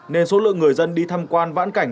nên số lượng người dân đi tham quan vãn cảnh